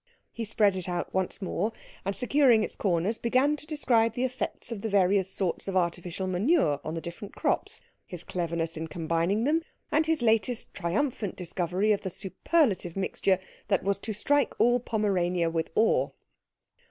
He spread it out once more, and securing its corners began to describe the effects of the various sorts of artificial manure on the different crops, his cleverness in combining them, and his latest triumphant discovery of the superlative mixture that was to strike all Pomerania with awe.